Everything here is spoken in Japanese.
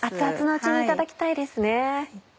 熱々のうちにいただきたいですね。